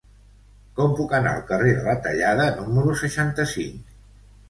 Com puc anar al carrer de la Tallada número seixanta-cinc?